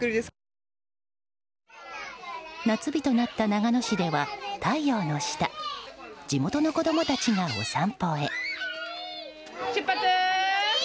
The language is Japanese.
夏日となった長野市では太陽の下地元の子供たちがお散歩へ。